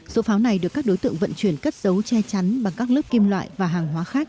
số pháo này được các đối tượng vận chuyển cất dấu che chắn bằng các lớp kim loại và hàng hóa khác